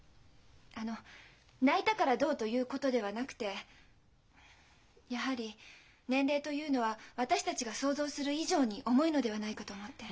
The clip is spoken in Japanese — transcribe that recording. あの泣いたからどうということではなくてやはり年齢というのは私たちが想像する以上に重いのではないかと思って。